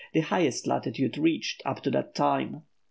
the highest latitude reached up to that time.